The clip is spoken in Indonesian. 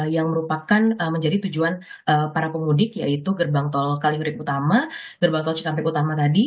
yang merupakan menjadi tujuan para pemudik yaitu gerbang tol kalihurip utama gerbang tol cikampek utama tadi